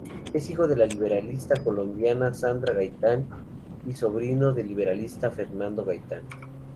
Es hijo de la libretista colombiana Sandra Gaitán y sobrino del libretista Fernando Gaitán.